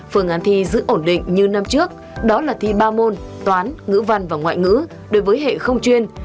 phương án thi giữ ổn định như năm trước đó là thi ba môn toán ngữ văn và ngoại ngữ đối với hệ không chuyên